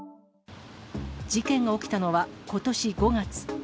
事件が起きたのはことし５月。